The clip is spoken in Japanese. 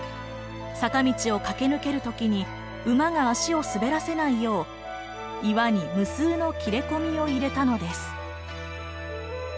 坂道を駆け抜ける時に馬が足を滑らせないよう岩に無数の切れ込みを入れたのです。